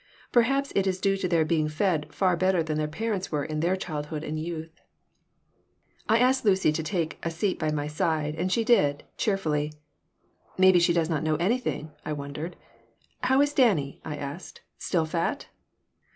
Perhaps it is due to their being fed far better than their parents were in their childhood and youth I asked Lucy to take a seat by my side and she did, cheerfully. (" Maybe she does not know anything," I wondered.) "How is Danny?" I asked. "Still fat?"